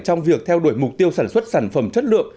trong việc theo đuổi mục tiêu sản xuất sản phẩm chất lượng